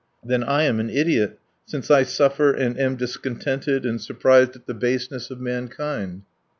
"Then I am an idiot, since I suffer and am discontented and surprised at the baseness of mankind."